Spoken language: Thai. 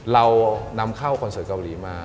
เรานำเข้าคอนเสิร์ตเกาหลีมา